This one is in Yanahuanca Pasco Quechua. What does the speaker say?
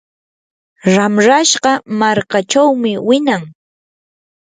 ramrashqa markaachawmi winan.